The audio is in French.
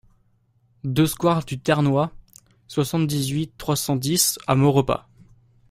deux square du Ternois, soixante-dix-huit, trois cent dix à Maurepas